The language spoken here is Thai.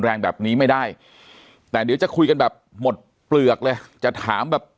แรงแบบนี้ไม่ได้จะคุยกันแบบหมดเกลือกเลยจะถามแบบ